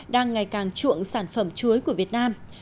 đang ngày càng chuộng sản phẩm chuối của việt nam